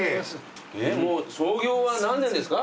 創業は何年ですか？